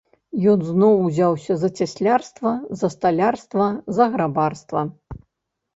Ён зноў узяўся за цяслярства, за сталярства, за грабарства.